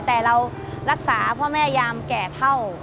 แต่เรารักษาพ่อแม่ยามแก่เท่า